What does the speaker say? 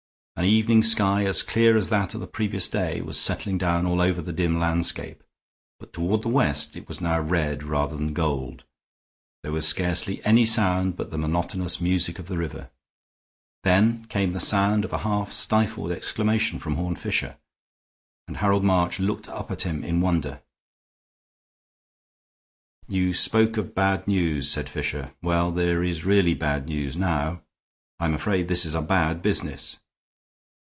An evening sky as clear as that of the previous day was settling down all over the dim landscape, but toward the west it was now red rather than gold; there was scarcely any sound but the monotonous music of the river. Then came the sound of a half stifled exclamation from Horne Fisher, and Harold March looked up at him in wonder. "You spoke of bad news," said Fisher. "Well, there is really bad news now. I am afraid this is a bad business."